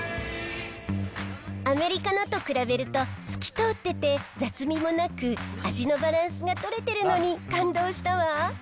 アメリカのと比べると、透き通ってて雑味もなく、味のバランスが取れてるのに感動したわ。